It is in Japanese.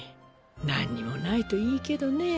なんにもないといいけどね。